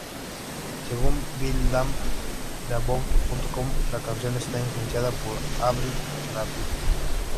Según Bill Lamb de About.com, la canción está influenciada por Avril Lavigne.